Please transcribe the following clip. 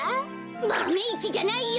マメ１じゃないよ！